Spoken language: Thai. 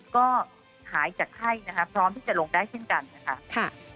ก็หายจากไข้นะคะพร้อมที่จะลงได้เช่นกันนะคะ